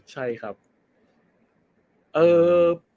ใช่ครับ